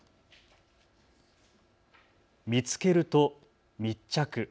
見つけると密着。